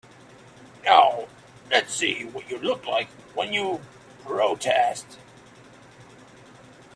Now let's see what you look like when you protest.